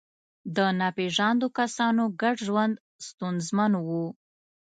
د ناپېژاندو کسانو ګډ ژوند ستونزمن و.